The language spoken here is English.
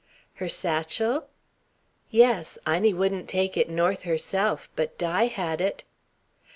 "Her satchel?" "Yes. Inie wouldn't take it north herself, but Di had it."